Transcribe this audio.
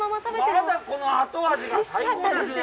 まだこの後味が最高ですね。